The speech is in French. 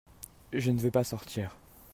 Je ne veux pas sortir.